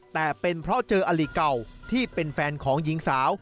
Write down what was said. แต่เป็นเพราะเจออลิเก่าที่เป็นแฟนของหญิงสาว